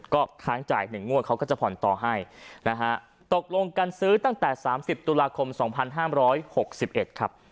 ก็ค้างจ่ายหนึ่งงวดเขาก็จะผ่อนต่อให้นะฮะตกลงการซื้อตั้งแต่สามสิบตุลาคมสองพันห้ามร้อยหกสิบเอ็ดครับ